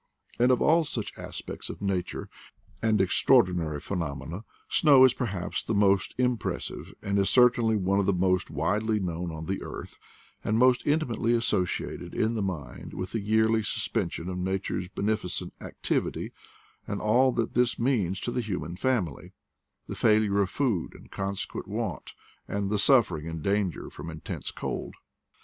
And 118 IDLE DATS IN PATAGONIA! A if all such aspects of nature and extraordinary phenomena, snow is perhaps the most impressive, and is certainly one of the most widely known on the earth, and most intimately associated in the mind with the yearly suspension of nature's be neficent activity, and all that this means to the human family — the failure of food and consequent want, and the suffering and danger from intense ^old.